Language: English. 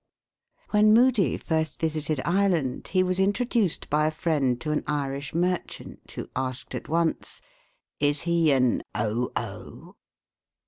When Moody first visited Ireland he was introduced by a friend to an Irish merchant who asked at once: "Is he an O.O.?"